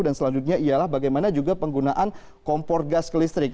dan selanjutnya ialah bagaimana juga penggunaan kompor gas ke listrik